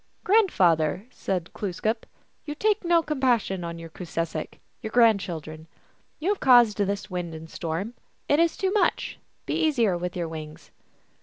" Grandfather," said Glooskap, " you take no com passion on your Koosesek, your grandchildren. You have caused this wind and storm ; it is too much. Be easier with your wings